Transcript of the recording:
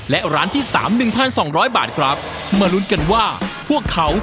และร้านที่สามหนึ่งพันสองร้อยบาทครับมาลุ้นกันว่าพวกเขา